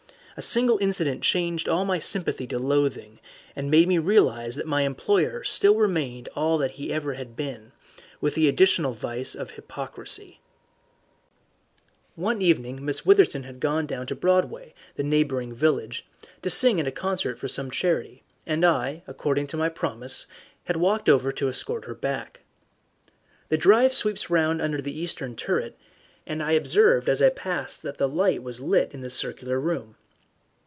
A single incident changed all my sympathy to loathing, and made me realize that my employer still remained all that he had ever been, with the additional vice of hypocrisy. What happened was as follows. One evening Miss Witherton had gone down to Broadway, the neighbouring village, to sing at a concert for some charity, and I, according to my promise, had walked over to escort her back. The drive sweeps round under the eastern turret, and I observed as I passed that the light was lit in the circular room.